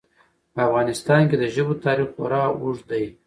په افغانستان کې د ژبو تاریخ خورا اوږد دی.